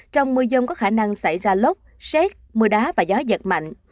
trong mưa dông có khả năng xảy ra lốc xét mưa đá và gió giật mạnh